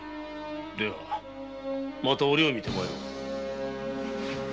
ではまた折をみて参ろう。